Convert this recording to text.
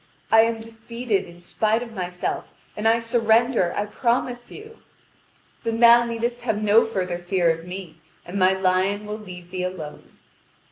I am defeated in spite of myself, and I surrender, I promise you." "Then thou needest have no further fear of me, and my lion will leave thee alone."